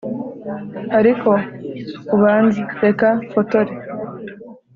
ariko ubanza… reka mfotore.